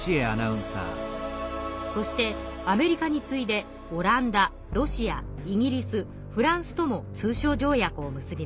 そしてアメリカに次いでオランダロシアイギリスフランスとも通商条約を結びます。